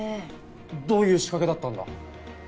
どういう仕掛けだったんだ？